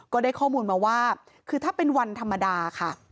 ก็ได้ข้อมูลมาว่าคือถ้าเป็นวันธรรมดาค่ะ